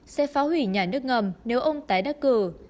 sẽ phá hủy nhà nước ngầm nếu ông tái đắc cử